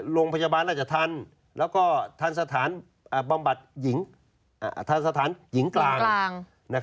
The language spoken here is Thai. โรงพยาบาลอาจจะทันทันสถานยิงกลาง